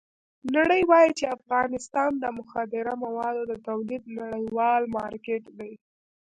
نړۍ وایي چې افغانستان د مخدره موادو د تولید نړیوال مارکېټ دی.